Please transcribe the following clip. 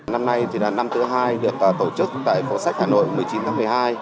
năm nay thì là năm thứ hai được tổ chức tại phố sách hà nội một mươi chín tháng một mươi hai